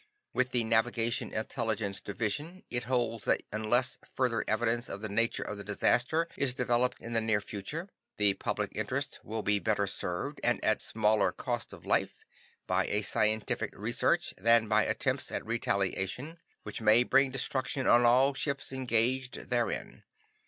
With the Navigation Intelligence Division, it holds that unless further evidence of the nature of the disaster is developed in the near future, the public interest will be better served, and at smaller cost of life, by a scientific research than by attempts at retaliation, which may bring destruction on all ships engaging therein.